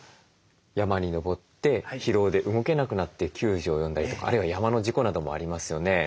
山に登って疲労で動けなくなって救助を呼んだりとかあるいは山の事故などもありますよね。